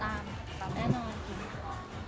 ซึ่งเราก็ขอตื่นตามแน่นอน